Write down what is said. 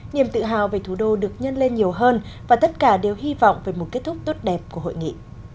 niềm tự hào về thủ đô được nhân lên nhiều hơn và tất cả đều hy vọng về một kết thúc tốt đẹp của hội nghị